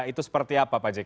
itu seperti apa pak jk